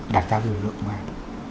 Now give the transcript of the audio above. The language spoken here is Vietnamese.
đạt ra lực lượng công an